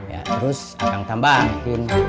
ya terus akang tambahin